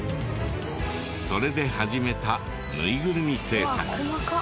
それで始めたぬいぐるみ製作。